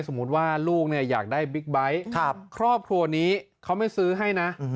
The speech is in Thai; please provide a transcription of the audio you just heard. สมมุติว่าลูกอยากได้บิ๊กไบท์ครอบครัวนี้เขาไม่ซื้อให้นะ